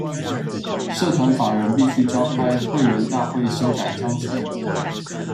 社團法人必須召開會員大會修改章程